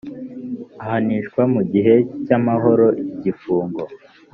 ahanishwa mu gihe cy amahoro igifungo